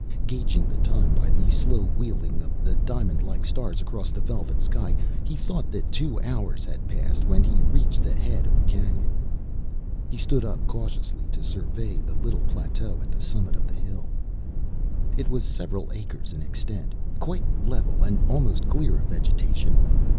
Gauging the time by the slow wheeling of the diamond like stars across the velvet sky, he thought that two hours had passed when he reached the head of the canyon. He stood up cautiously to survey the little plateau at the summit of the hill. It was several acres in extent, quite level, and almost clear of vegetation.